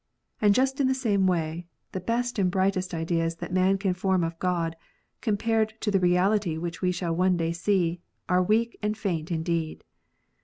And just in the same way, the best and brightest ideas that man can form of God, compared to the reality which we shall one day see, are weak and faint indeed.